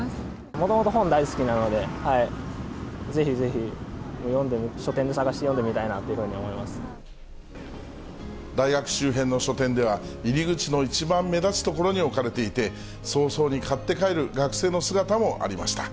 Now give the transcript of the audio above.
もともと本大好きなので、ぜひぜひ読んで、書店で探して読んでみたいなというふうに思いま大学周辺の書店では、入り口の一番目立つ所に置かれていて、早々に買って帰る学生の姿もありました。